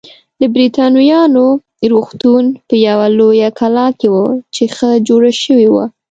د بریتانویانو روغتون په یوه لویه کلا کې و چې ښه جوړه شوې وه.